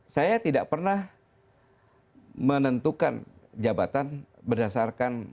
saya tidak pernah menentukan jabatan berdasarkan